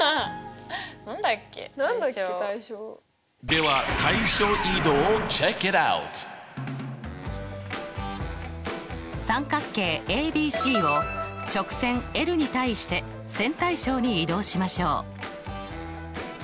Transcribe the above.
では三角形ＡＢＣを直線に対して線対称に移動しましょう。